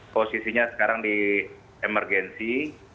posisinya sekarang di emergensi